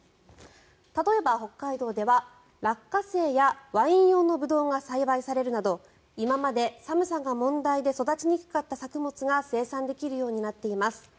例えば北海道ではラッカセイやワイン用のブドウが栽培されるなど今まで、寒さが問題で育ちにくかった作物が生産できるようになっています。